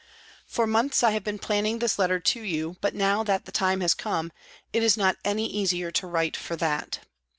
For months I have been planning this letter to you, but now that the time has come, it is not any easier to write for that.